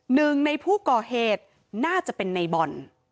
หนึ่งในผู้ก่อเหตุน่าจะเป็นในบอล